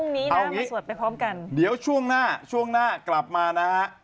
พรุ่งนี้นะมาสวดไปพร้อมกันเอาอย่างนี้เดี๋ยวช่วงหน้ากลับมานะฮะ